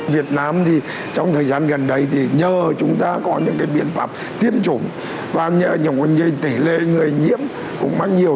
việt nam trong thời gian gần đây nhờ chúng ta có những biện pháp tiêm chủng và nhờ những tỉ lệ người nhiễm cũng mắc nhiều